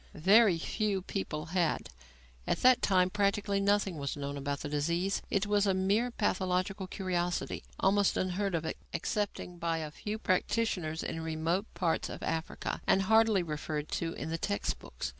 Very few people had. At that time practically nothing was known about the disease. It was a mere pathological curiosity, almost unheard of excepting by a few practitioners in remote parts of Africa, and hardly referred to in the text books.